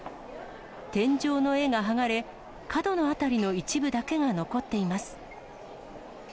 天井の絵が剥がれ、角の辺りの一部だけが残っています。